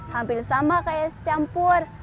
hampir sama kayak campur